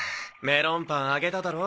メロンパンあげただろ。